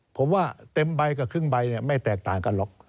ผมว่าเต็มใบกับครึ่งใบไม่แตกต่างกันหรอก